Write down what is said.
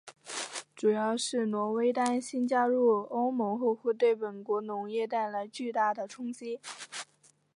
主要是挪威担心加入欧盟后会对本国农业带来巨大的冲击。